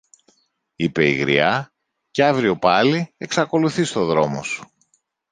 είπε η γριά, και αύριο πάλι εξακολουθείς το δρόμο σου.